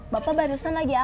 bapak barusan lagi apa